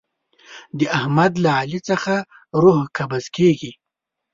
د احمد له علي څخه روح قبض کېږي.